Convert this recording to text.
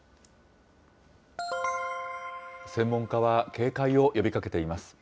専門家は警戒を呼びかけています。